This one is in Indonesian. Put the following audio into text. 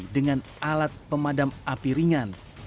dengan alat pemadam api ringan